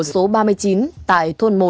số ba mươi chín tại thôn một